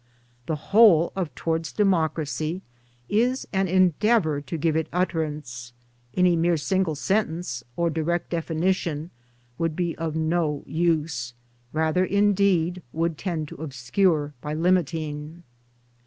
The whole of " Towards Democracy" is an endeavour to give it utterance ; any mere single sentence, or direct definition, would be of no use — rather indeed would tend to obscure by limiting.